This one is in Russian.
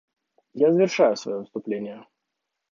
Я завершаю свое выступление.